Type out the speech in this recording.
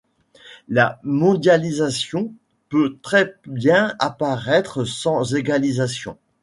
La mondialisation peut très bien apparaître sans égalisation.